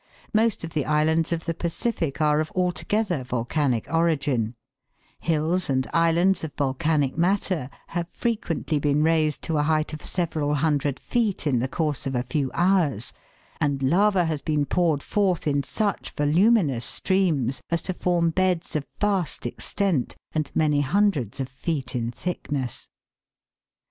Most of the islands of the Pacific are of altogether volcanic origin, hills and islands of volcanic matter have frequently been raised to a height of several hundred feet in the course of a few hours, and lava has been poured forth in such voluminous streams as to form beds of vast extent and many hundreds of feet in thickness.